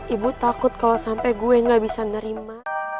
ibu takut kalau sampe gue nggak bisa nerima